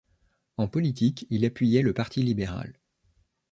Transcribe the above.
En politique, il appuyait le Parti libéral.